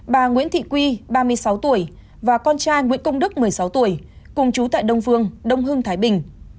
bà nguyễn thị quy ba mươi sáu tuổi và con trai nguyễn công đức một mươi sáu tuổi cùng chú tại đông phương đông hưng thái bình